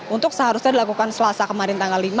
untuk seharusnya dilakukan selasa kemarin tanggal lima